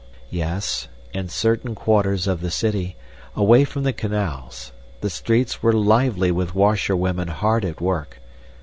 Yes, in certain quarters of the city, away from the canals, the streets were lively with washerwomen hard at work.